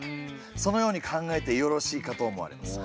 そのように考えてよろしいかと思われます。